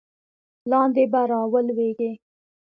لاندې به را ولویږې.